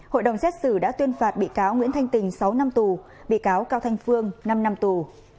hội đồng xét xử đã tuyên phạt bị cáo nguyễn thanh tình sáu năm tù bị cáo cao thanh phương năm năm tù